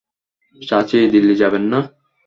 চাচি, দিল্লি যাবেন না?